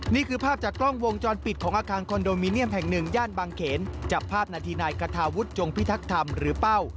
นี่คือภาพจากกล้องวงจรปิดของอาคารคอนโดมิเนียมแห่งหนึ่งย่านบางเขนจับภาพนาทีนายคาทาวุฒิจงพิทักษ์ธรรมหรือเป้า